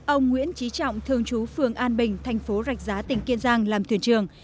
ông nguyễn trí trọng thường chú phường an bình thành phố rạch giá tỉnh kiên giang làm thuyền trường